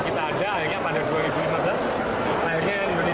kemudian kalau anda nonton pon kemarin